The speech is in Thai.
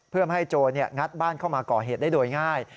เพื่อไม่ให้โจรงัดบ้านเข้ามาก่อเหตุได้โดยง่าย